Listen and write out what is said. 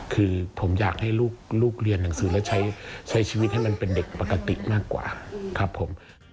คือผมอยากให้ลูกเรียนหนังสือแล้วใช้ชีวิตให้มันเป็นเด็กปกติมากกว่าครับผม